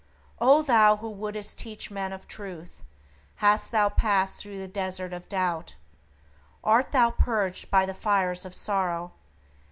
O thou who wouldst teach men of Truth! Hast thou passed through the desert of doubt? Art thou purged by the fires of sorrow?